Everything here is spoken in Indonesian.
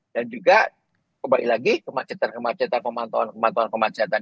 dan juga kembali lagi kemacetan kemacetan pemantauan pemantauan kemacetan